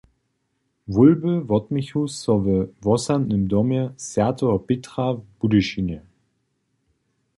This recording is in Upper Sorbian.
Wólby wotměchu so we wosadnym domje swj. Pětra w Budyšinje.